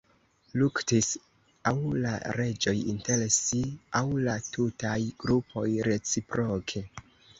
Luktis aŭ la reĝoj inter si aŭ la tutaj grupoj reciproke.